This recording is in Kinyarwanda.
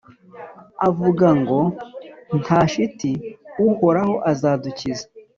avuga ngo : Nta shiti, Uhoraho azadukiza,